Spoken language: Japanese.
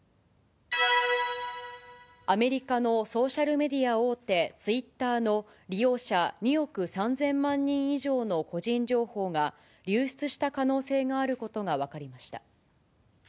アメリカのソーシャルメディア大手、ツイッターの利用者２億３０００万人以上の個人情報が、流出した可能性があることが分かりました。